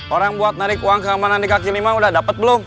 orang buat narik uang keamanan di kaki lima udah dapat belum